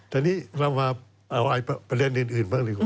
แต่นี่เรามาเอาไอ้ประเด็นอื่นเพิ่งดีกว่า